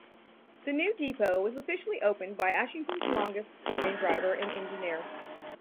The new depot was officially opened by Ashington's longest serving driver and engineer.